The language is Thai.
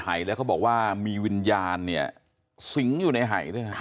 หายแล้วก็บอกว่ามีวิญญาณเนี้ยสิงค์อยู่ในหายได้ไหมค่ะ